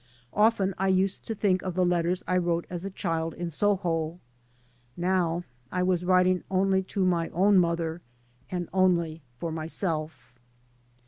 Often I used to think of the letters I wrote as a child in Soho. Now I was writing only to my own modier, and only for myself.